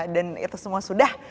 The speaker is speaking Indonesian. dan itu semua sudah